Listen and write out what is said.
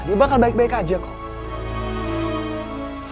dia bakal baik baik aja kok